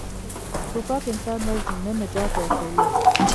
توپک انسان وژني، نه نجات ورکوي.